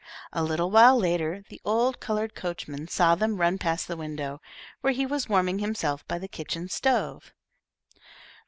A little while later, the old coloured coachman saw them run past the window, where he was warming himself by the kitchen stove.